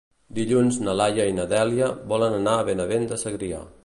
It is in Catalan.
Dilluns na Laia i na Dèlia volen anar a Benavent de Segrià.